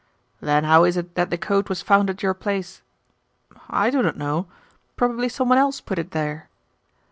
'Then how is it that the coat was found at your place?' 'I do not know. Probably some one else put it there.